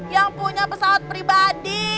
yang punya pesawat pribadi